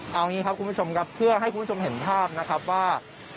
เอางี้ครับคุณผู้ชมครับเพื่อให้คุณผู้ชมเห็นภาพนะครับว่า